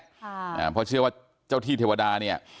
เพราะเชื่อว่าเจ้าที่เทวดาเนี่ย